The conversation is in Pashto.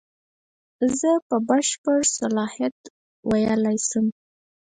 زه په بشپړ صلاحیت ویلای شم.